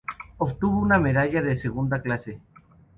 Obtuvo una medalla de segunda clase.